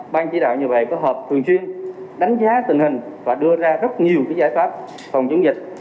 ban chỉ đạo nhà bè có hợp thường chuyên đánh giá tình hình và đưa ra rất nhiều giải pháp phòng chống dịch